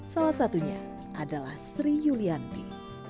salah satunya adalah sri yulianti